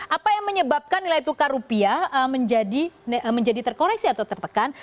apa yang menyebabkan nilai tukar rupiah menjadi terkoreksi atau tertekan